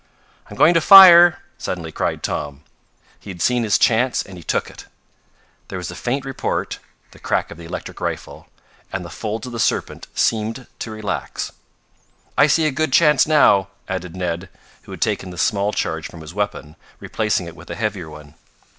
"I'm going to fire!" suddenly cried Tom. He had seen his chance and he took it. There was the faint report the crack of the electric rifle and the folds of the serpent seemed to relax. "I see a good chance now," added Ned, who had taken the small charge from his weapon, replacing it with a heavier one.